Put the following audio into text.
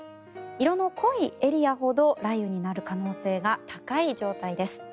色の濃いエリアほど雷雨になる可能性が高い状態です。